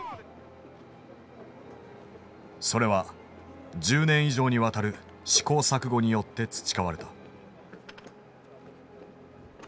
それは１０年以上にわたる試行錯誤によって培われた。